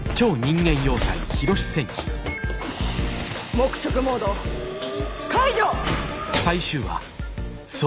黙食モード解除！